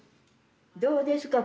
どうですか？